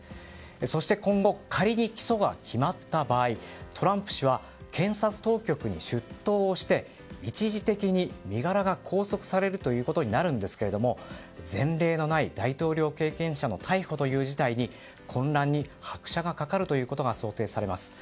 そして、今後仮に起訴が決まった場合トランプ氏は検察当局に出頭して一時的に身柄が拘束されることになるんですが前例のない大統領経験者の逮捕という事態に混乱に拍車がかかるということが想定されます。